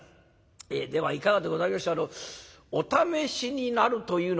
えではいかがでございましょうお試しになるというのは？」。